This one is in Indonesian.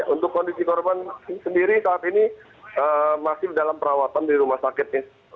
untuk kondisi korban sendiri saat ini masih dalam perawatan di rumah sakit